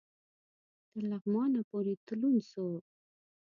تر لغمانه پوري تلون سو